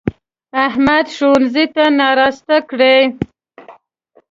احمد ښوونځی ناراسته کړی.